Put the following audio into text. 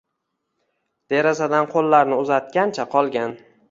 Derazadan qo‘llarini uzatgancha qolgan